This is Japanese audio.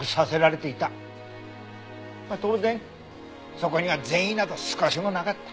当然そこには善意など少しもなかった。